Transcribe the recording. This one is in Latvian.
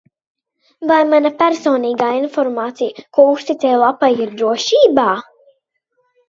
Vai mana personīgā informācija, ko uzticēju lapai, ir drošībā?